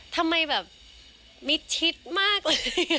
ทำไมแบบมิดชิดมากเลย